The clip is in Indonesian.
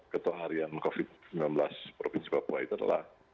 ketua harian covid sembilan belas provinsi papua itu adalah